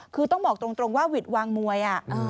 คือต้องบอกตรงว่าหวิดวางมวย